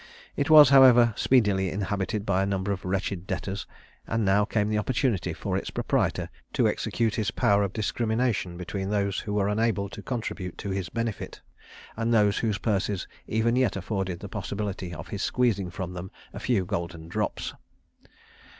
It was, however, speedily inhabited by a number of wretched debtors, and now came the opportunity for its proprietor to exercise his power of discrimination between those who were unable to contribute to his benefit, and those whose purses even yet afforded the possibility of his squeezing from them a few golden drops.